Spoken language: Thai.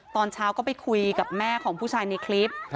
ตอนเช้าก็ไปคุยกับแม่ของผู้ชายในคลิป